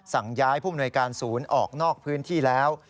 สั่งย้ายผู้มนวยการศูนย์ออกนอกพื้นที่แล้ว